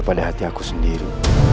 pada hati aku sendiri